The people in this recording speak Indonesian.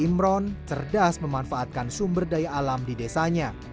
imron cerdas memanfaatkan sumber daya alam di desanya